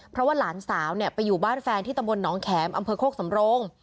เพราะว่าหลานสาวไปอยู่บ้านแฟนที่ตำบลหนองแขมอำเภอโคกสำโรง